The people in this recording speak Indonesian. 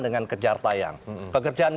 dengan kejar tayang pekerjaan